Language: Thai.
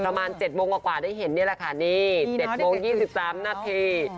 ประมาณเจ็ดโมงกว่ากว่าได้เห็นเนี้ยแหละค่ะนี่เจ็ดโมงยี่สิบสามนาทีอ๋อ